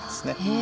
え？